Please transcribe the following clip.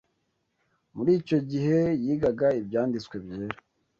Muri icyo gihe yigaga Ibyanditswe Byera